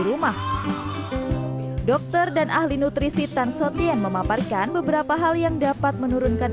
rumah dokter dan ahli nutrisi tan sotian memaparkan beberapa hal yang dapat menurunkan